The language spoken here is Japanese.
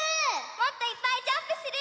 もっといっぱいジャンプする！